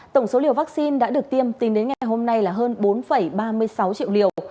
tổng số liều vaccine đã được tiêm tính đến ngày hôm nay là hơn bốn ba mươi sáu triệu liều